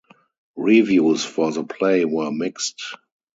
Reviews for the play were mixed.